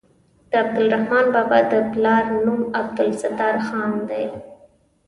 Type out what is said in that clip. د عبدالرحمان بابا د پلار نوم عبدالستار خان دی.